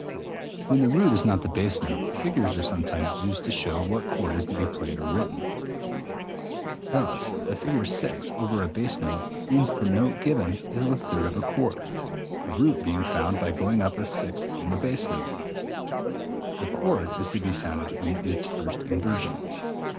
66.] 200. When the root is not the bass note, figures are sometimes used to show what chord is to be played or written. Thus, e.g., the figure 6 over a bass note means that the note given is the third of a chord, the root being found by going up a sixth from the bass note: i.e., the chord is to be sounded in its first inversion.